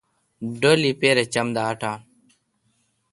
ڈولے پیرہ چم دا اٹان۔